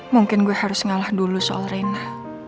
mungkin gue harus ngalah dulu soal rena